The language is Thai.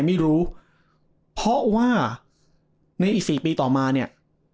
ไม่รู้เพราะว่าในอีก๔ปีต่อมาเนี่ย